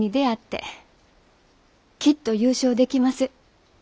きっと優勝できます。